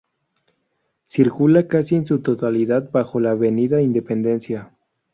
Circula casi en su totalidad bajo la Avenida Independencia.